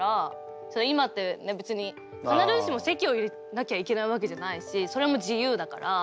今って別に必ずしも籍を入れなきゃいけないわけじゃないしそれも自由だから。